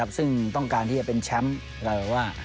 ซึ่งต้องการที่จะเป็นแชมป์เราว่า